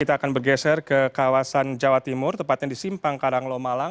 kita akan bergeser ke kawasan jawa timur tempatnya di simpang karanglo malang